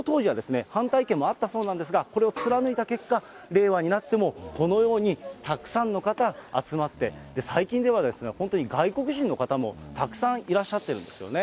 その結果、その当時は反対意見もあったそうなんですが、これを貫いた結果、令和になってもこのようにたくさんの方が集まって、最近では、本当に外国人の方もたくさんいらっしゃってるんですよね。